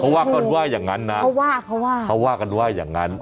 ว่ากันว่าอย่างนั้นนะเขาว่าเขาว่าเขาว่ากันว่าอย่างนั้น